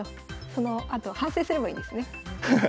そのあと反省すればいいんですね。